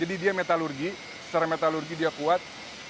jadi dia metalurgi secara metalurgi dia kuat